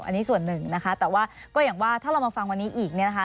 อันนี้ส่วนหนึ่งนะคะแต่ว่าก็อย่างว่าถ้าเรามาฟังวันนี้อีกเนี่ยนะคะ